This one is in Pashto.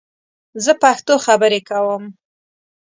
زه پښتو خبرې کوم